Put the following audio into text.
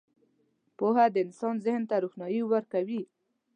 • پوهه د انسان ذهن ته روښنايي ورکوي.